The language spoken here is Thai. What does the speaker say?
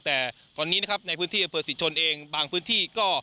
แต่ตอนนี้นะครับในพื้นที่อำเภอศรีชนเองบางพื้นที่ก็